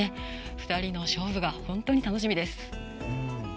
２人の勝負が本当に楽しみです。